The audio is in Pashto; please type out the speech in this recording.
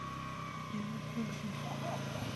نهه اتیا یمه پوښتنه د کمیسیون اهداف بیانوي.